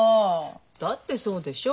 だってそうでしょ。